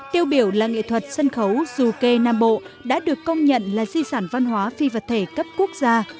những loại hình nghệ thuật sân khấu dù kê nam bộ đã được công nhận là di sản văn hóa phi vật thể cấp quốc gia